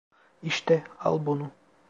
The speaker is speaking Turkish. İşte, al bunu.